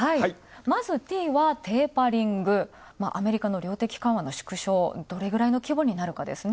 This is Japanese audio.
まず、Ｔはテーパリング、アメリカの量的緩和、縮小、どれくらいの規模になるかですね。